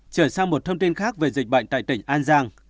chuyển sang một thông tin khác về dịch bệnh tại tỉnh an giang